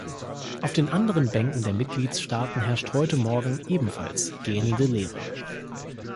Auf den anderen Bänken der Mitgliedstaaten herrscht heute Morgen ebenfalls gähnende Leere.